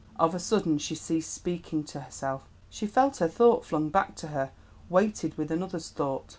Of a sudden she ceased speaking to herself; she felt her thought flung back to her weighted with another's thought.